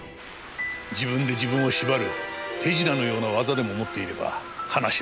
自分で自分を縛る手品のような技でも持っていれば話は別なんだがねえ。